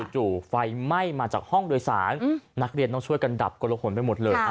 จู่ไฟไหม้มาจากห้องโดยสารนักเรียนต้องช่วยกันดับกลหนไปหมดเลย